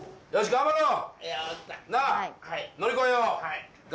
頑張ろう。